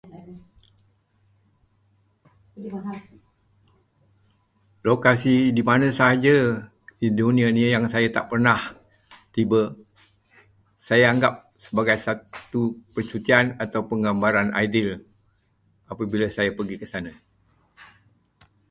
Lokasi di mana sahaja di dunia ini yang saya tak pernah tiba, saya anggap sebagai satu percutian atau pengambaran ideal apabila saya pergi ke sana.